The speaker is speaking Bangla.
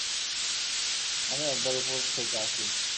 আমি একবার উপর থেকে আসি।